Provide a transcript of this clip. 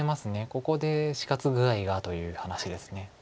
ここで死活具合がという話です。